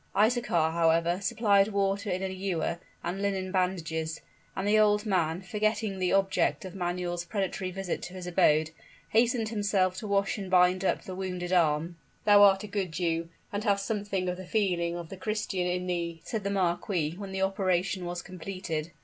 Isaachar, however, supplied water in an ewer, and linen bandages; and the old man, forgetting the object of Manuel's predatory visit to his abode, hastened himself to wash and bind up the wounded arm. "Thou art a good Jew and hast something of the feeling of the Christian in thee," said the marquis, when the operation was completed.